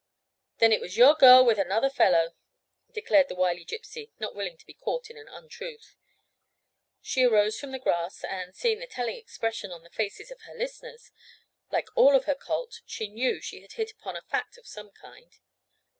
"Then it was your girl with another fellow," declared the wily Gypsy, not willing to be caught in an untruth. She arose from the grass and, seeing the telling expression on the faces of her listeners, like all of her cult, she knew she had hit upon a fact of some kind.